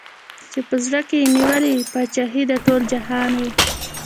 چي په زړه کي یې نیولې پاچهي د ټول جهان وي